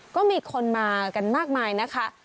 ก็มีคนมากันมากมายนะคะ